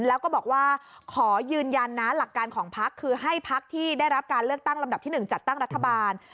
แล้วก็บอกว่าขอยืนยันนะหลักการของพักคือให้พักที่ได้รับการเลือกตั้งลำดับที่๑จัดตั้งรัฐบาล